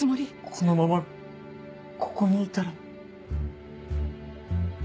このままここにいたら。